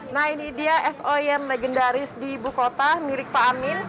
nah ini dia es oyen legendaris di ibu kota mirip pak amin